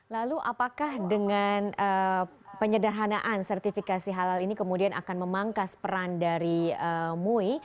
lalu apakah dengan penyederhanaan sertifikasi halal ini kemudian akan memangkas peran dari mui